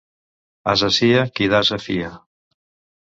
Ase sia qui d'ase fia.